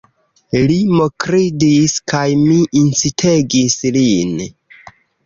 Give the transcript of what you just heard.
Li mokridis, kaj mi incitegis lin.